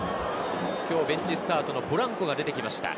今日、ベンチスタートのポランコが出てきました。